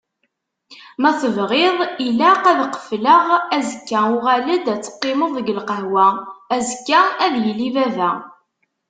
Ma tebɣiḍ ilaq ad qefleɣ! Azekka uɣal-d ad teqimeḍ deg lqahwa? Azekka ad yili baba!